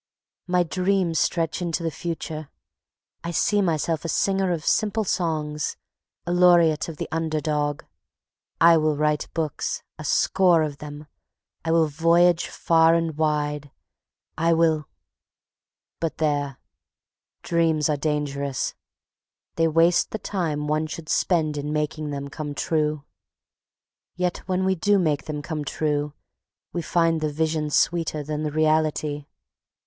My dreams stretch into the future. I see myself a singer of simple songs, a laureate of the under dog. I will write books, a score of them. I will voyage far and wide. I will ... But there! Dreams are dangerous. They waste the time one should spend in making them come true. Yet when we do make them come true, we find the vision sweeter than the reality.